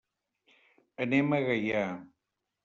Anem a Gaià.